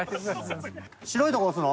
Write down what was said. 白いとこ押すの？